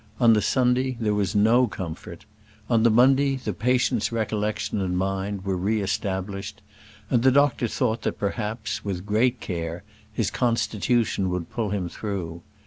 On the Sunday there was no comfort. On the Monday the patient's recollection and mind were re established, and the doctor thought that perhaps, with great care, his constitution would pull him through.